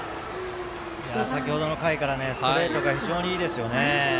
先程の回からストレートが非常にいいですね。